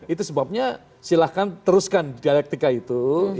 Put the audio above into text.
itu sebabnya silahkan teruskan dialektika itu